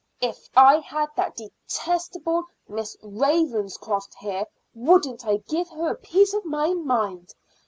"If I had that detestable Miss Ravenscroft here, wouldn't I give her a piece of my mind?